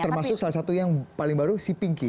termasuk salah satu yang paling baru si pinky